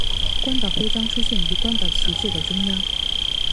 关岛徽章出现于关岛旗帜的中央。